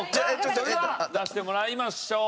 それでは出してもらいましょう。